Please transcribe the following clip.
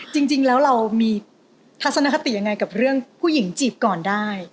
จริงแล้วเรามีทัศนคติยังไงกับเรื่องผู้หญิงจีบก่อนได้